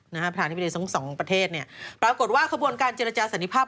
ประธานาธิบดีทั้งสองประเทศเนี่ยปรากฏว่าขบวนการเจรจาสันติภาพ